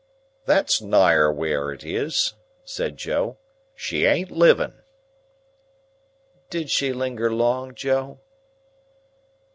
"That's nigher where it is," said Joe; "she ain't living." "Did she linger long, Joe?"